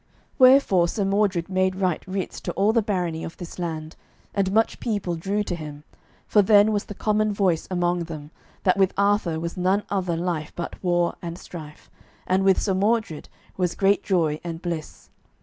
Wherefore Sir Mordred made write writs to all the barony of this land, and much people drew to him, for then was the common voice among them, that with Arthur was none other life but war and strife, and with Sir Mordred was great joy and bliss.